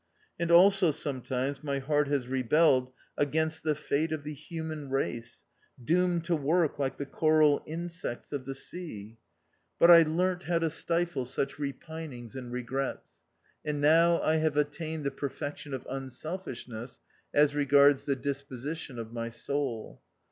And also sometimes my heart has rebelled against the fate of the human race, doomed to work like the coral insects of the sea. But I learnt THE OUTCAST. 259 how to stifle such repinings and regrets ; and now I have attained the perfection of unselfishness as regards the disposition of my soul.